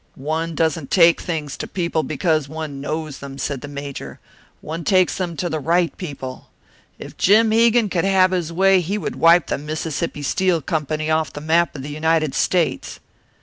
"But one doesn't take things to people because one knows them," said the Major. "One takes them to the right people. If Jim Hegan could have his way, he would wipe the Mississippi Steel Company off the map of the United States."